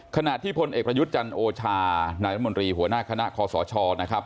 ขณะที่พลเอกประยุทธ์จันทร์โอชานายรัฐมนตรีหัวหน้าคณะคอสชนะครับ